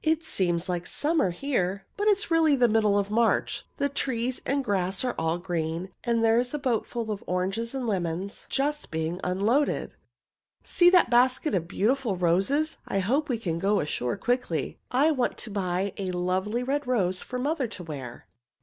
It seems like summer here, but it is really the middle of March. The trees and the grass are all green. And there is a boat full of oranges and lemons just being unloaded." "See that basketful of beautiful roses! I hope we can go ashore quickly. I want to buy a lovely red rose for mother to wear."